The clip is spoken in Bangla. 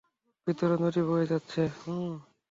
ভিতরে নদী বয়ে যাচ্ছে।